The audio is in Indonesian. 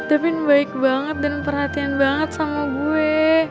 davin baik banget dan perhatian banget sama gue